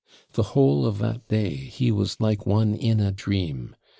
The whole of that day he was like one in a dream.